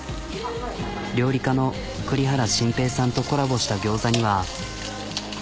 料理家の栗原心平さんとコラボしたギョーザには。